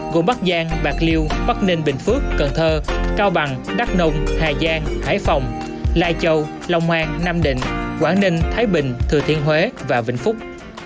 gồm bắc giang bạc liêu bắc ninh bình phước cần thơ cao bằng đắk nông hà giang hải phòng lai châu long an nam định quảng ninh thái bình thừa thiên huế và vĩnh phúc